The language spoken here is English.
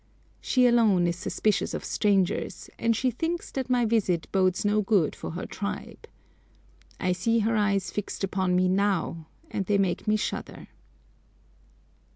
She alone is suspicious of strangers, and she thinks that my visit bodes no good to her tribe. I see her eyes fixed upon me now, and they make me shudder.